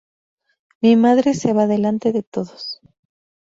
Mi madre se va delante de todos.